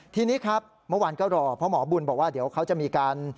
ทีนี้ครับเมื่อวานก็รอเพราะหมอบุญบอกว่าเดี๋ยวเขาจะมีการ